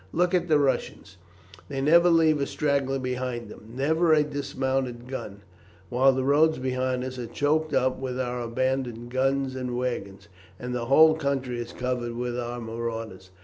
Look at the Russians; they never leave a straggler behind them, never a dismounted gun, while the roads behind us are choked up with our abandoned guns and waggons, and the whole country is covered with our marauders.